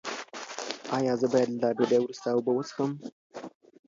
ایا زه باید له ډوډۍ وروسته اوبه وڅښم؟